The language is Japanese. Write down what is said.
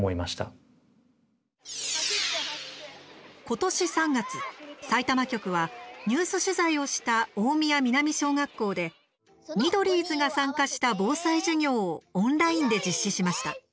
ことし３月、さいたま局はニュース取材をした大宮南小学校でミドリーズが参加した防災授業をオンラインで実施しました。